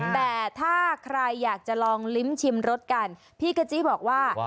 แต่ถ้าใครอยากจะลองลิ้มชิมรสกันพี่กะจี้บอกว่า